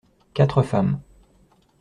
Quatre femmes.